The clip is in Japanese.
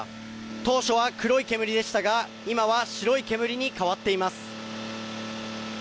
当初は黒い煙でしたが今は白い煙に変わっています。